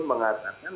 siapa yang dikatakan